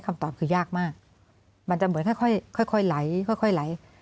คำตอบคือยากมากมันจะเหมือนค่อยไหล